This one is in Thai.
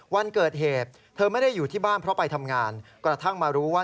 วันเกิดเหตุเธอไม่ได้อยู่ที่บ้านเพราะไปทำงาน